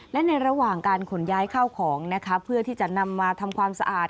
และในระหว่างการขนย้ายเข้าของนะคะเพื่อที่จะนำมาทำความสะอาด